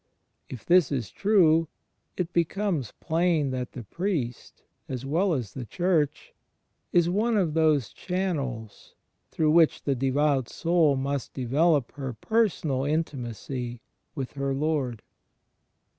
If this is true, it becomes plain that the priest, as well as the Church, is one of those channels through which the devout soul must develop her personal mtimacy with her Lord.